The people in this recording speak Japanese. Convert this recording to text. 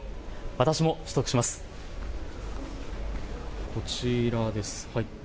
私も取得します。